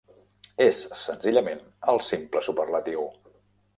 És senzillament el simple superlatiu.